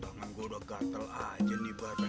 tangan gue udah gatel aja nih bapak